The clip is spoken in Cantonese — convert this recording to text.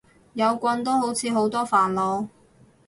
有棍都好似好多煩惱